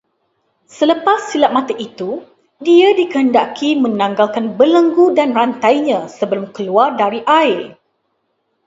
Selepas silap mata itu dia dikehendaki menanggalkan belenggu dan rantainya sebelum keluar dari air